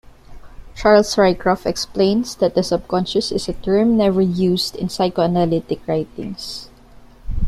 Charles Rycroft explains that the subconscious is a term "never used in psychoanalytic writings".